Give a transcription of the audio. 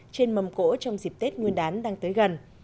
trên mầm cỗ trong dịp tết nguyên đán đang tới gần